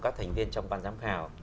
của các thành viên trong ban giám khảo